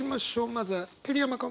まずは桐山君。